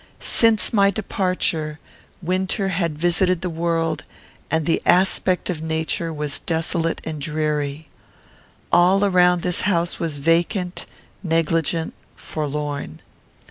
Since my departure, winter had visited the world, and the aspect of nature was desolate and dreary. All around this house was vacant, negligent, forlorn.